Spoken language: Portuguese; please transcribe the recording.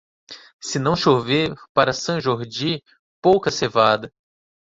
Se não chover para Sant Jordi, pouca cevada.